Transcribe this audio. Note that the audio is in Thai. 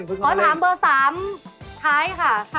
ขอถามเบอร์๓ท้ายค่ะ